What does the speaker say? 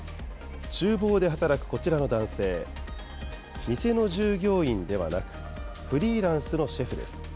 ちゅう房で働くこちらの男性、店の従業員ではなく、フリーランスのシェフです。